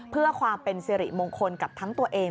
เพื่อความเป็นสิริมงคลกับทั้งตัวเอง